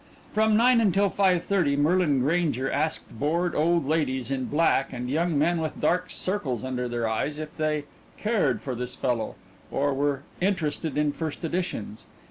From nine until five thirty Merlin Grainger asked bored old ladies in black and young men with dark circles under their eyes if they "cared for this fellow" or were interested in first editions.